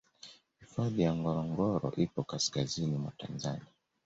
hifadhi ya ngorongoro ipo kaskazini mwa tanzania